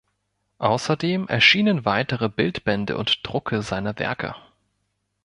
Außerdem erschienen weitere Bildbände und Drucke seiner Werke.